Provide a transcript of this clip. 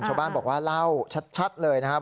ชาวบ้านบอกว่าเล่าชัดเลยนะครับ